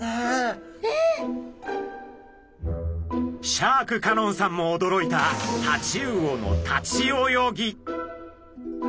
シャーク香音さんもおどろいたタチウオの立ち泳ぎ！